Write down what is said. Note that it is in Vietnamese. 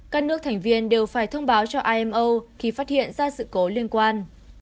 các nước thành viên đều phải thông báo cho imo khi phát hiện ra sự cố liên quan